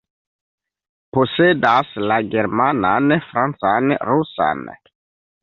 Posedas la germanan, francan, rusan.